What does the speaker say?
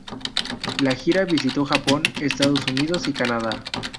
La gira visitó Japón, Estados Unidos y Canadá.